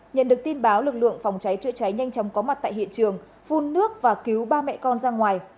nhận được tin báo lực lượng phòng cháy chữa cháy nhanh chóng có mặt tại hiện trường phun nước và cứu ba mẹ con ra ngoài